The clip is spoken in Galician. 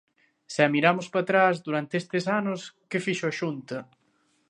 Se miramos para atrás, durante estes anos ¿que fixo a Xunta?